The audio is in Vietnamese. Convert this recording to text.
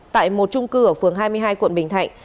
tại một trung cư ở phường hai mươi hai quận bình thạnh